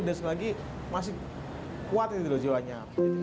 dan setelah itu lagi masih kuat gitu loh jiwanya